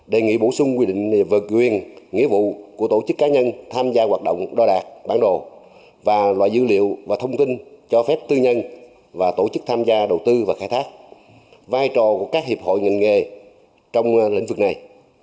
đề nghị bổ sung quy định vượt quyền nghĩa vụ của tổ chức cá nhân tham gia hoạt động đo đạc bản đồ và loại dữ liệu và thông tin cho phép tư nhân và tổ chức tham gia đầu tư và khai thác vai trò của các hiệp hội ngành nghề trong lĩnh vực này